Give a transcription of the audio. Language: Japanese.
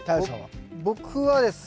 僕はですね